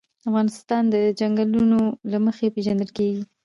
افغانستان د چنګلونه له مخې پېژندل کېږي.